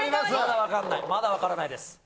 まだ分からないです。